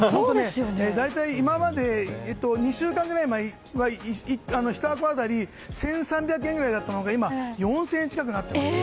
大体２週間ぐらい前は１箱当たり１３００円ぐらいが今４０００円近くになっています。